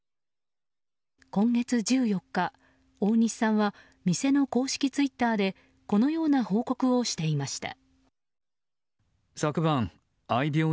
今月１４日、大西さんは店の公式ツイッターでこのような報告をしていました。